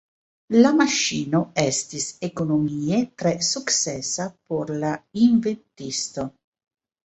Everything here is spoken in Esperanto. La maŝino estis ekonomie tre sukcesa por la inventisto.